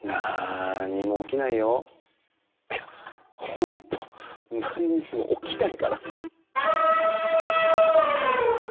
いやほんとなんにもおきないから。